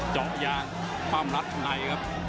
จอกย่างพร่ำรักใน